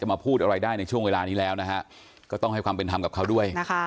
มาพูดอะไรได้ในช่วงเวลานี้แล้วนะฮะก็ต้องให้ความเป็นธรรมกับเขาด้วยนะคะ